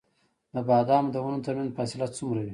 د بادامو د ونو ترمنځ فاصله څومره وي؟